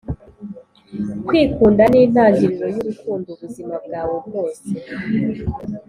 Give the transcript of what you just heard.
kwikunda ni intangiriro yurukundo ubuzima bwawe bwose.